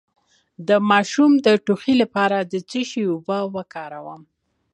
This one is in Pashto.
د ماشوم د ټوخي لپاره د څه شي اوبه وکاروم؟